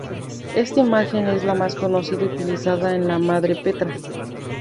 Esta imagen es la más conocida y utilizada de la Madre Petra.